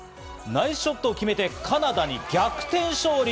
ナイスショットを決めて、カナダに逆転勝利。